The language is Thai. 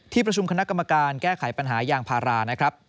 ประชุมคณะกรรมการแก้ไขปัญหายางพารานะครับ